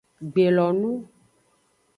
Gbelonu.